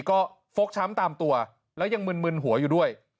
ก็ฟกช้ำตามตัวแล้วยังมึนหัวอยู่ด้วย